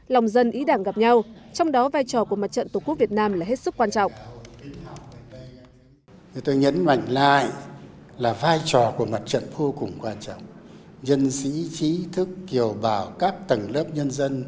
lòng dân ý đảng gặp nhau trong đó vai trò của mặt trận tổ quốc việt nam là hết sức quan trọng